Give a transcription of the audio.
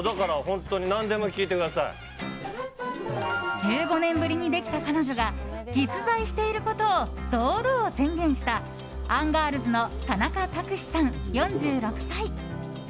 １５年ぶりにできた彼女が実在していることを堂々宣言したアンガールズの田中卓志さん、４６歳。